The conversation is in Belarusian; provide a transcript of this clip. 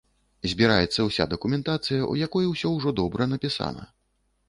Забіраецца ўся дакументацыя, у якой усё ўжо добра напісана.